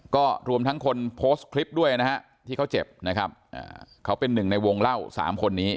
ก็รวมทั้งคนโพสต์คลิปด้วยนะฮะที่เขาเจ็บนะครับเขาเป็นหนึ่งในวงเล่าสามคนนี้